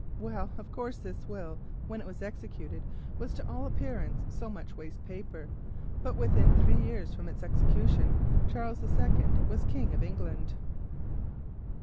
Of course, this will, when it was executed, was to all appearance so much waste paper, but within three years from that date Charles II. was King of England.